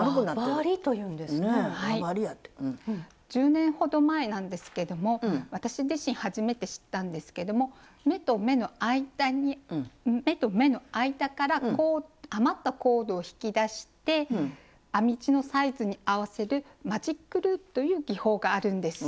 １０年ほど前なんですけども私自身初めて知ったんですけども目と目の間から余ったコードを引き出して編み地のサイズに合わせる「マジックループ」という技法があるんです。